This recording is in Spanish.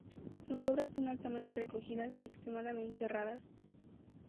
Sus obras son altamente recogidas y extremadamente raras.